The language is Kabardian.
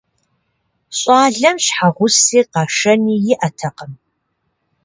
Щӏалэм щхьэгъуси къэшэни иӀэтэкъым.